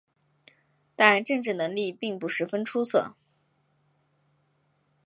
但政治能力并不十分出色。